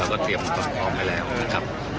เราก็เตรียมออกไปแล้วนะครับ